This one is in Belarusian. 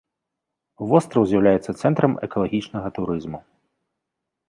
Востраў з'яўляецца цэнтрам экалагічнага турызму.